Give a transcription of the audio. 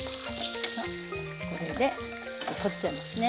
これで取っちゃいますね。